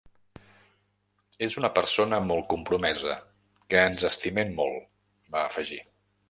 És una persona molt compromesa, que ens estimem molt, va afegir.